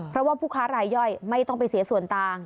เพราะว่าผู้ค้ารายย่อยไม่ต้องไปเสียส่วนต่าง